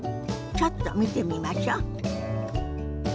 ちょっと見てみましょ。